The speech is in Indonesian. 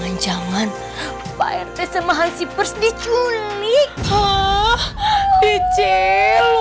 ah jadi siapa aja vindang